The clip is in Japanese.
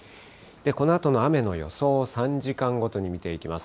このあとの雨の予想を３時間ごとに見ていきます。